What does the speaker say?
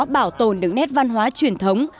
bảo tồn được nét văn hóa truyền thống